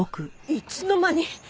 いつの間に？